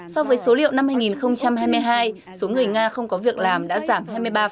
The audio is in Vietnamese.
so với số liệu năm hai nghìn hai mươi hai số người nga không có việc làm đã giảm hai mươi ba